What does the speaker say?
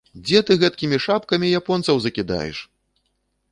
Дзе ты гэтакімі шапкамі японцаў закідаеш?!